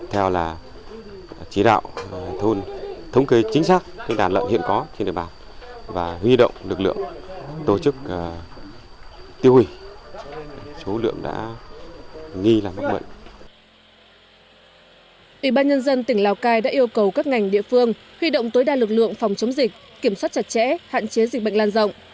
trên địa bàn tỉnh lào cai đã yêu cầu các ngành địa phương huy động tối đa lực lượng phòng chống dịch kiểm soát chặt chẽ hạn chế dịch bệnh lan rộng